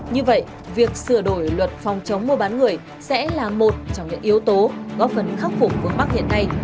như vậy việc sửa đổi luật phòng chống mua bán người sẽ là một trong những yếu tố góp phần khắc phục vương mắc hiện nay